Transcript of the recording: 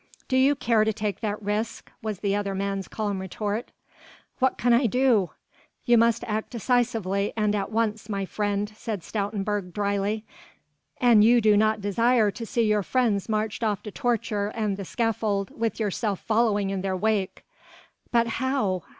"Do you care to take that risk?" was the other man's calm retort. "What can I do?" "You must act decisively and at once, my friend," said Stoutenburg dryly, "an you do not desire to see your friends marched off to torture and the scaffold with yourself following in their wake." "But how?